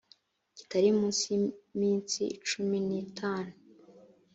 kitari munsi y iminsi cumi n itanu